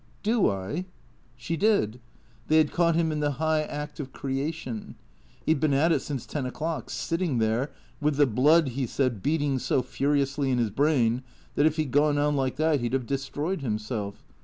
" Do I ?" She did. They had caught him in the high act of creation, He 'd been at it since ten o'clock ; sitting there, with the blood, he said, beating so furiously in his brain that if he 'd gone on like that he'd have destroyed himself.